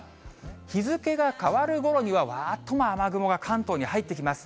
日付が変わるごろには、わーっと雨雲が関東に入ってきます。